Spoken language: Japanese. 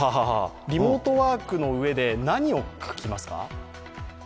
リモートワークのうえで何を書きますか？